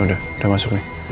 udah udah masuk nih